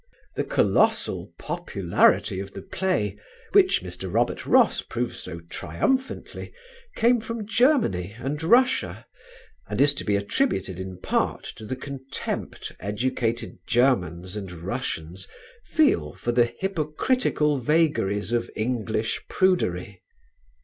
The colossal popularity of the play, which Mr. Robert Ross proves so triumphantly, came from Germany and Russia and is to be attributed in part to the contempt educated Germans and Russians feel for the hypocritical vagaries of English prudery.